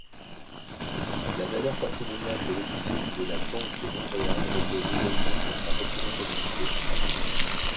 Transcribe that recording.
La valeur patrimoniale de l'édifice de la Banque-de-Montréal repose également sur sa représentativité.